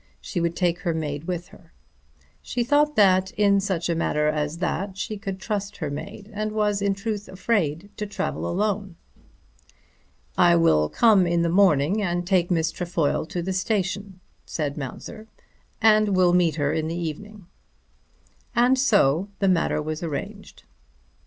She would take her maid with her. She thought that in such a matter as that she could trust her maid, and was in truth afraid to travel alone. "I will come in the morning and take Miss Trefoil to the station," said Mounser, "and will meet her in the evening." And so the matter was arranged.